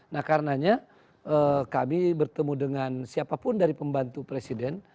nah karenanya kami bertemu dengan siapapun dari pembantu presiden